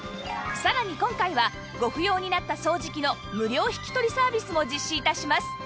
さらに今回はご不要になった掃除機の無料引き取りサービスも実施致します